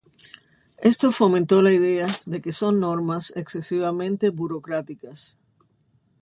Esto fomentó la idea de que son normas excesivamente burocráticas.